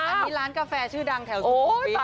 อันนี้ร้านกาแฟชื่อดังแถวสุขุย